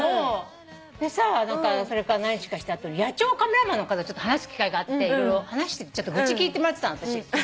でさそれから何日かした後に野鳥カメラマンの方と話す機会があって愚痴聞いてもらってたの。